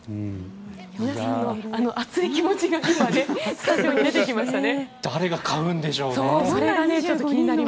皆さんの熱い気持ちがスタジオに出てきましたね。